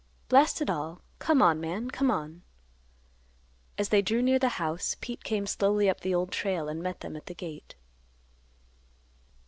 Blast it all; come on, man; come on." As they drew near the house, Pete came slowly up the Old Trail and met them at the gate.